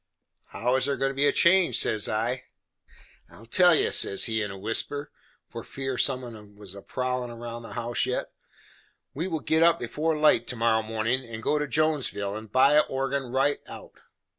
"How is there goin' to be a change?" says I. "I'll tell you," says he, in a whisper for fear some on 'em was prowlin' round the house yet "we will git up before light to morrow mornin', and go to Jonesville and buy a organ right out."